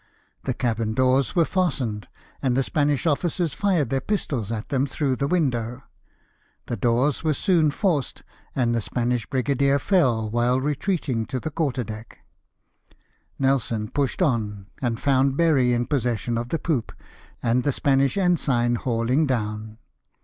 The cabin doors were fastened, and the Spanish officers fired their pistols at them through the window; the doors were soon forced, and the Spanish brigadier fell while retreating to the quarter deck Nelson pushed on, and found Berry in possession of the poop, and the Spanish ensign hauHng down.